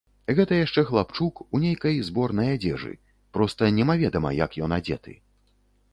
Гэта яшчэ хлапчук, у нейкай зборнай адзежы, проста немаведама як ён адзеты.